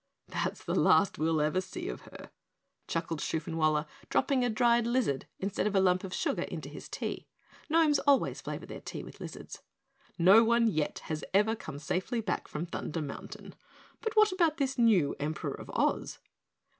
"That's the last we'll ever see of her," chuckled Shoofenwaller, dropping a dried lizard instead of a lump of sugar into his tea. (Gnomes always flavor their tea with lizards.) "No one yet has ever come safely back from Thunder Mountain. But what about this new Emperor of Oz?"